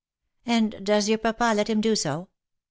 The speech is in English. " And does your papa let him do so